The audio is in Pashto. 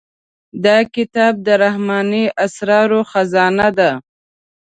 دا کتاب د رحماني اسرارو خزانه ده.